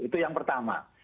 itu yang pertama